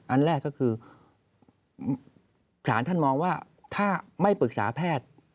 อันแรกก็คือสารท่านมองว่าถ้าไม่ปรึกษาแพทย์